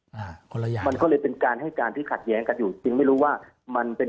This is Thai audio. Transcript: จะเป็นการให้การที่ขัดแย้งกันอยู่จริงไม่รู้ว่ามันเป็น